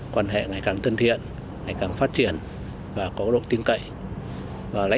quan hệ ngày càng thân thiện ngày càng phát triển và có độ tin cậy